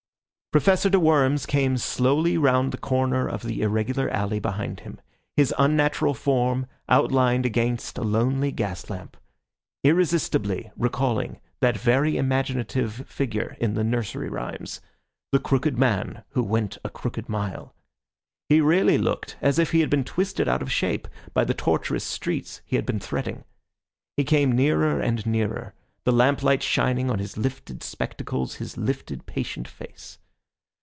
Professor de Worms came slowly round the corner of the irregular alley behind him, his unnatural form outlined against a lonely gas lamp, irresistibly recalling that very imaginative figure in the nursery rhymes, "the crooked man who went a crooked mile." He really looked as if he had been twisted out of shape by the tortuous streets he had been threading. He came nearer and nearer, the lamplight shining on his lifted spectacles, his lifted, patient face.